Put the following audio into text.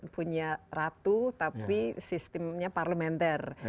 punya ratu tapi sistemnya parlementer